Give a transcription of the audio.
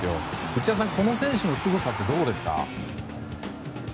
内田さん、この選手のすごさはどこですか？